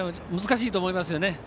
難しいと思いますよね。